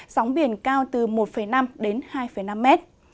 sóng biển cao từ một năm đến hai năm mét